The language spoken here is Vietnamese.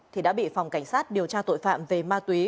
thì đã bị phòng cảnh sát điều tra tội phạm về ma túy